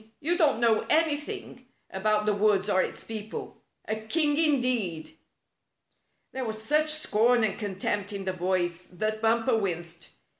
You don't know anything about the woods or its people. A king indeed!" There was such scorn and contempt in the voice that Bumper winced.